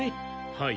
はい。